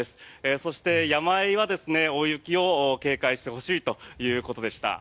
そして、山あいは大雪を警戒してほしいということでした。